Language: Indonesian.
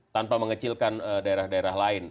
tanpa mengecilkan daerah daerah lain